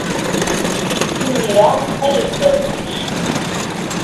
Imir-a, err lbal-nnek.